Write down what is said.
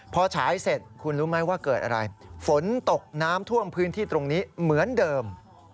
พอฉายเสร็จคุณรู้ไหมว่าเกิดอะไรฝนตกน้ำท่วมพื้นที่ตรงนี้เหมือนเดิม